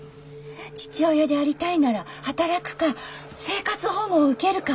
父親でありたいなら働くか生活保護を受けるか。